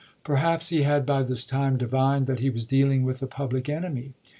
Perhaps he had by this time divined that he was dealing with a public enemy.